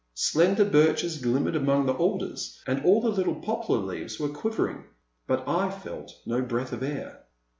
Slender birches glimmered among the alders, and all the little poplar leaves were quivering, but I felt no breath of air.